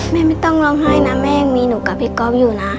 ไม่ต้องร้องไห้นะแม่ยังมีหนูกับพี่ก๊อฟอยู่นะ